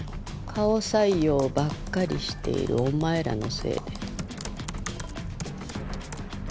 顔採用ばっかりしているお前らのせいで。